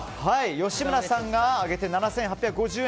吉村さんが上げて７８５０円。